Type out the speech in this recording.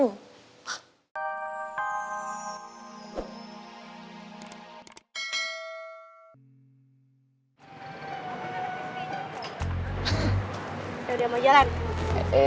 udah mau jalan